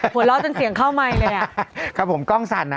หัวเราะจนเสียงเข้าไมค์เลยอ่ะครับผมกล้องสั่นอ่ะ